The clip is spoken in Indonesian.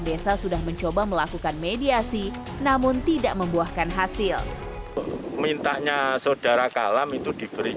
desa sudah mencoba melakukan mediasi namun tidak membuahkan hasil mintanya saudara kalam itu diberi